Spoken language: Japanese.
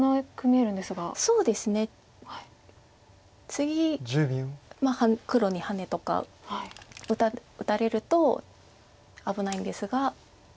次黒にハネとか打たれると危ないんですが。